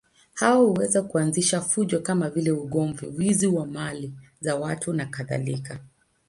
Hao huweza kuanzisha fujo kama vile ugomvi, wizi wa mali za watu nakadhalika.